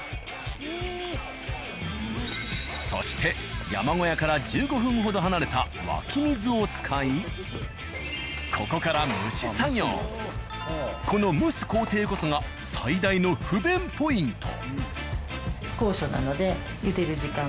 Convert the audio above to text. そして山小屋から１５分ほど離れた湧き水を使いここからこの蒸す工程こそが最大の不便ポイント。